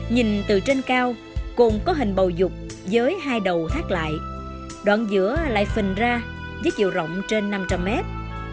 nhìn từ trên cao cồn có hình bầu dục giới hai đầu thác lại đoạn giữa lại phình ra giới chiều rộng trên năm trăm linh mét